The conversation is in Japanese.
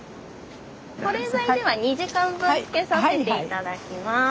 保冷剤では２時間分つけさせて頂きます。